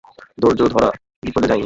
ধৈর্য ধরা বিফলে যায় নি।